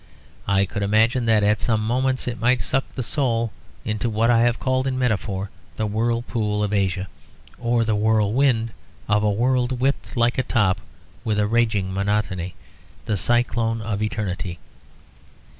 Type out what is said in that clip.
I could imagine that at some moments it might suck the soul into what I have called in metaphor the whirlpool of Asia, or the whirlwind of a world whipped like a top with a raging monotony; the cyclone of eternity.